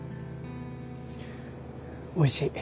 おいしい。